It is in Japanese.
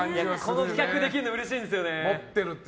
この企画できるのうれしいんですよね。